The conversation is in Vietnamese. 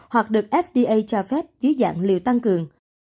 hoặc được fda cho phép dưới dạng liều tăng cường